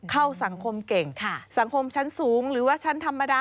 เข้าสังคมเก่งสังคมชั้นสูงหรือว่าชั้นธรรมดา